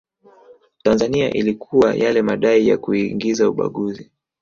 Tanzania ilikuwa yale madai ya kuingiza ubaguzi